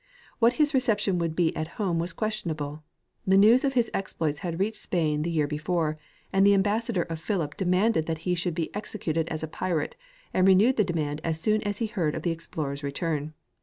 (figure 2*). What his reception would be at home was questionable. The news of his exploits had reached Spain the year before, and the ambassador of Philip demanded that he should be executed as a pirate, and renewed the demand as soon as he heard of the explorer's return.